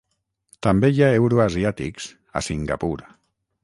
També hi ha euroasiàtics, a Singapur.